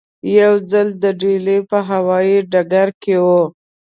یو ځل د ډیلي په هوایي ډګر کې وو.